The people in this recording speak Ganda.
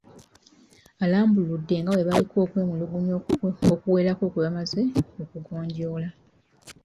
Alambuludde nga bwe baliko okwemulugunya okuwerako kwe baamaze okugonjoola.